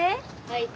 はい。